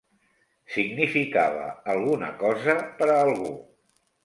Significava alguna cosa per a algú.